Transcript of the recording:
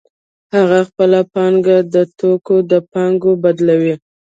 هغه خپله پانګه د توکو په پانګه بدلوي